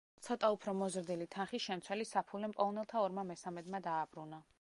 ცოტა უფრო მოზრდილი თანხის შემცველი საფულე მპოვნელთა ორმა მესამედმა დააბრუნა.